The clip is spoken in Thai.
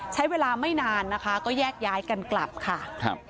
ใช้เวลาไม่นานนะคะก็แยกย้ายกันกลับค่ะครับ